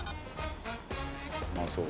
うまそう。